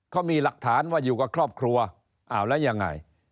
เขามีหลักฐานว่าอยู่กับครอบครัวอ้าวแล้วยังไง